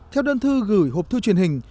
theo đơn thư gửi hộp thư truyền hình